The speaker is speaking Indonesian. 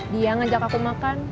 dia ngajak aku makan